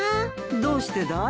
どうしてだい？